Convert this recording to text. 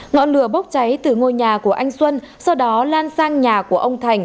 ngọn lửa bốc cháy từ ngôi nhà của anh xuân sau đó lan sang nhà của ông thành